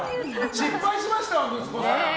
失敗しました、息子さん。